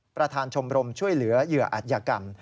ประธานชมรมช่วยเหลือเหยื่ออัธยกรรม